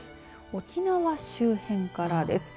沖縄周辺からです。